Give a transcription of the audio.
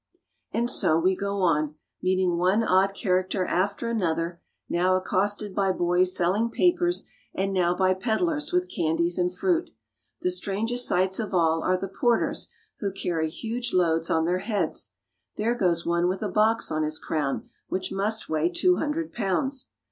And so we go on, meeting one odd character after another, now accosted by boys selling papers, and now by peddlers with candies and fruit. The strangest sights of all are the porters who carry huge loads on their heads. There goes one with a box on his crown which must weigh two hundred pounds.